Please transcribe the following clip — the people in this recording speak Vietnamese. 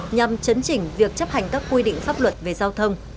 nhằm chấn chỉnh việc chấp hành các quy định pháp luật về giao thông